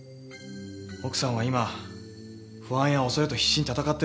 奥さんは今不安や恐れと必死に闘ってるんです。